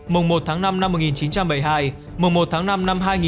mùng một tháng năm năm một nghìn chín trăm bảy mươi hai mùng một tháng năm năm hai nghìn hai mươi